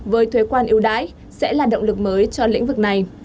với thuế quan ưu đãi sẽ là động lực mới cho lĩnh vực này